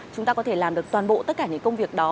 chúng ta có thể làm được toàn bộ tất cả những công việc đó